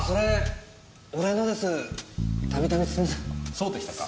そうでしたか。